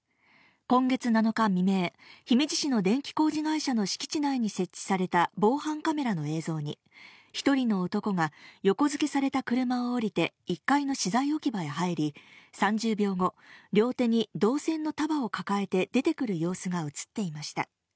今月７日未明、姫路市の電気工事会社の敷地内に設置された防犯カメラの映像に、一人の男が、横付けされた車を降りて１階の資材置き場へ入り、３０秒後、両手に銅線の束を抱えて出てくる様子が写っていました。